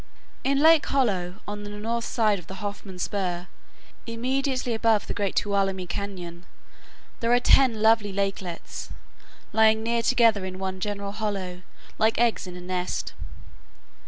In Lake Hollow, on the north side of the Hoffman spur, immediately above the great Tuolumne cañon, there are ten lovely lakelets lying near together in one general hollow, like eggs in a nest.